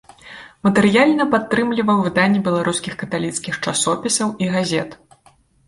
Матэрыяльна падтрымліваў выданне беларускіх каталіцкіх часопісаў і газет.